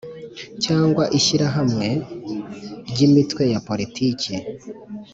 cyangwa ishyirahamwe ry imitwe ya politiki